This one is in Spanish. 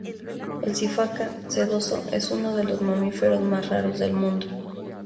El sifaca sedoso es uno de los mamíferos más raros del mundo.